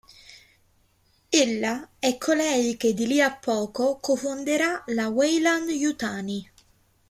Ella è colei che di lì a poco co-fonderà la Weyland-Yutani.